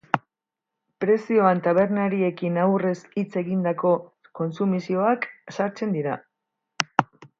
Prezioan tabernariekin aurrez hitz egindako kontsumizioak sartzen dira.